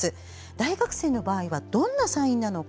大学生の場合はどんなサインなのか。